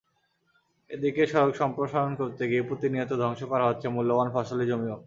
এদিকে, সড়ক সম্প্রসারণ করতে গিয়ে প্রতিনিয়ত ধ্বংস করা হচ্ছে মূল্যবান ফসলি জমিও।